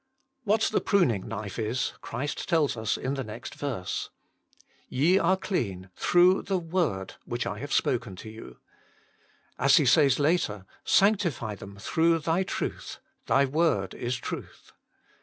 What the pruning knife is, Christ tells us in the TUB LIFE THAT CAN PRAY 65 next verse. " Ye are dean through live word which I have spoken to you." As He says later, " Sanctify them through Thy truth ; Thy word is truth."